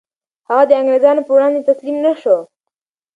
هغه د انګریزانو په وړاندې تسلیم نه شو.